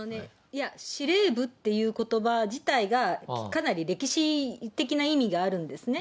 いや、司令部っていうことば自体がかなり歴史的な意味があるんですね。